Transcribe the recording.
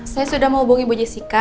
saya sudah mau hubungi bu jessica